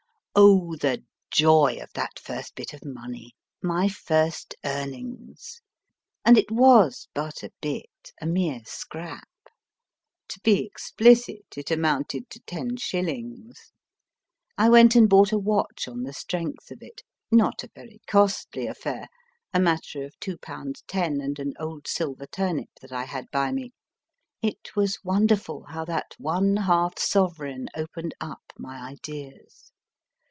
Oh, the joy of that first bit of money my first earnings ! And it was but a bit, a mere scrap. To be explicit, it amounted to ten shillings. I went and bought a watch on the strength of it not a very costly affair ; a matter of two pounds ten and an old silver turnip that I had by me. It was won derful how that one half sovereign opened up my ideas.